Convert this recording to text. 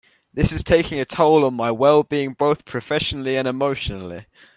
This is taking a toll on my well-being both professionally and emotionally.